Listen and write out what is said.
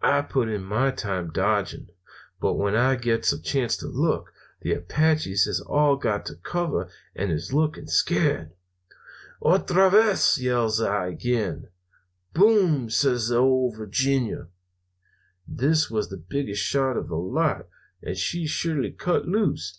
"I put in my time dodging, but when I gets a chance to look, the Apaches has all got to cover and is looking scared. "'Otra vez!' yells I again. "'Boom!' says the Ole Virginia. "This was the biggest shot of the lot, and she surely cut loose.